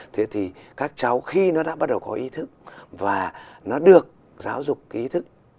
thế thì các cháu khi nó đã bắt đầu có ý thức và nó được giáo dục ý thức